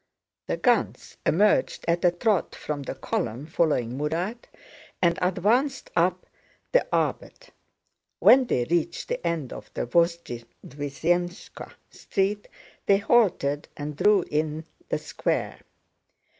The guns emerged at a trot from the column following Murat and advanced up the Arbát. When they reached the end of the Vozdvízhenka Street they halted and drew in the Square.